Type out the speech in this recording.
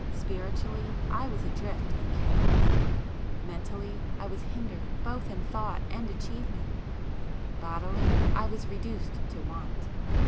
Spiritually I was adrift in chaos,—mentally I was hindered both in thought and achievement,—bodily, I was reduced to want.